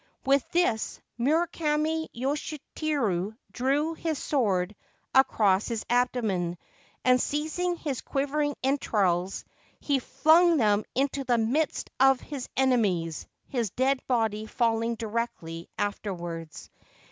' With this Murakami Yoshiteru drew his short sword across his abdomen, and, seizing his quivering entrails, he flung them into the midst of his enemies, his dead body falling directly afterwards.